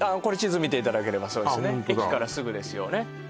これ地図見ていただければ駅からすぐですよね